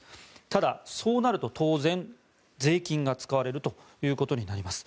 ただ、そうなると当然、税金が使われるということになります。